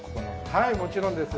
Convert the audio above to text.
はいもちろんです